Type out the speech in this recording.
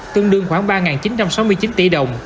tương đương khoảng ba chín trăm sáu mươi chín tiền